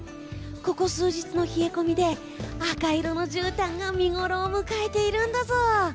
ここ数日の冷え込みで赤色のじゅうたんが見ごろを迎えているんだぞ！